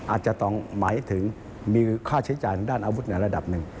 อาจจะต้องหมายถึงมีค่าใช้จ่ายทางด้านอาวุธในระดับหนึ่ง